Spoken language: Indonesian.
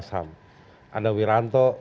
komnas ham ada wiranto